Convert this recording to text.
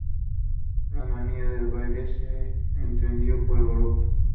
La manía del baile se extendió por Europa.